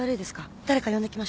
誰か呼んできましょうか？